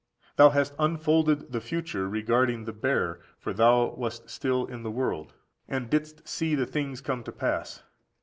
Thou hast unfolded the future regarding the bear; for thou wast still in the world, and didst see the things come to pass.